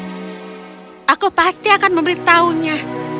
saya pasti akan memberi tahunnya